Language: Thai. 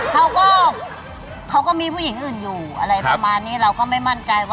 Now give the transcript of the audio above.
เขาก็เขาก็มีผู้หญิงอื่นอยู่อะไรประมาณนี้เราก็ไม่มั่นใจว่า